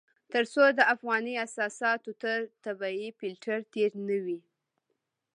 تر څو د افغاني اساساتو تر طبيعي فلټر تېر نه وي.